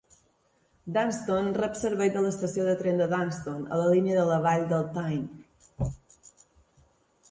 Dunston rep servei de l'estació de tren de Dunston, a la línia de la vall del Tyne.